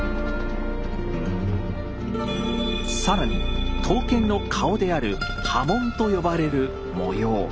更に刀剣の顔である「刃文」と呼ばれる模様。